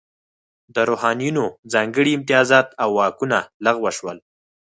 د روحانینو ځانګړي امتیازات او واکونه لغوه شول.